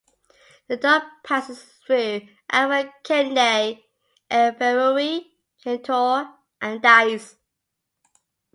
The Don passes through Alford, Kemnay, Inverurie, Kintore, and Dyce.